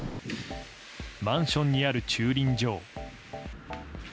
マンションにある駐輪場。